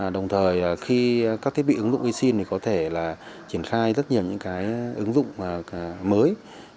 đồng thời khi các thiết bị ứng dụng e sim thì có thể là triển khai rất nhiều những cái ứng dụng mới